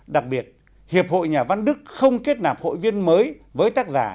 đặc biệt hiệp hội nhà văn đức không kết nạp hội viên mới với tác giả